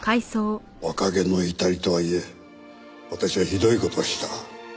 若気の至りとはいえ私はひどい事をした。